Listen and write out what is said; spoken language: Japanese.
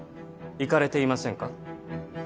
行かれていませんか？